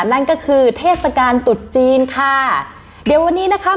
นั่นก็คือเทศกาลตุดจีนค่ะเดี๋ยววันนี้นะคะ